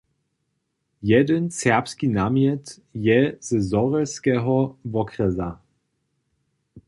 Jedyn serbski namjet je ze Zhorjelskeho wokrjesa.